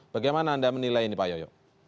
bagaimana anda menilai ini pak yoyo